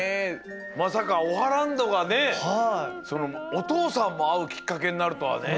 まさかオハランドがねおとうさんもあうきっかけになるとはね。